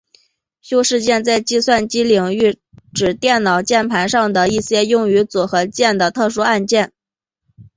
修饰键在计算机领域指电脑键盘上的一些用于组合按键的特殊按键。